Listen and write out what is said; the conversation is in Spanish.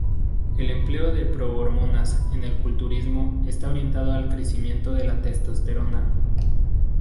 El empleo de pro-hormonas en el culturismo está orientado al crecimiento de la testosterona.